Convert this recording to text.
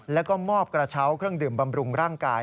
แล้วก็มอบกระเช้าเครื่องดื่มบำรุงร่างกาย